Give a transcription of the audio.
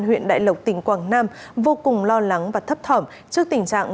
huyện đại lộc tỉnh quảng nam vô cùng lo lắng và thấp thỏm trước tình trạng